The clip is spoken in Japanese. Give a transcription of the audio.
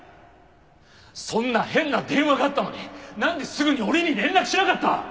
そんな変な電話があったのになんですぐに俺に連絡しなかった！？